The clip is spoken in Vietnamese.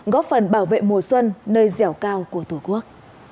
góp phần bảo vệ mùa xuân nơi dẻo cao của tổ quốc